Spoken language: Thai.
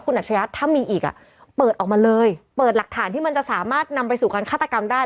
อัจฉริยะถ้ามีอีกอ่ะเปิดออกมาเลยเปิดหลักฐานที่มันจะสามารถนำไปสู่การฆาตกรรมได้